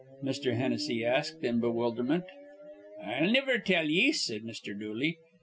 Mr. Hennessy asked, in bewilderment. "I'll niver tell ye," said Mr. Dooley.